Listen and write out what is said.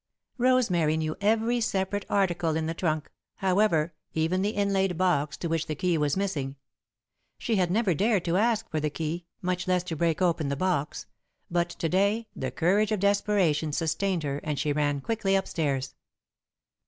Rosemary knew every separate article in the trunk, however, even the inlaid box to which the key was missing. She had never dared to ask for the key, much less to break open the box, but to day, the courage of desperation sustained her and she ran quickly up stairs.